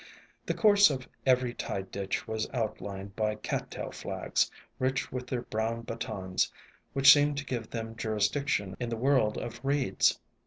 The course of every tide ditch was outlined by Cat tail Flags, rich with their brown batons, which seem to give them juris diction in the world of reeds.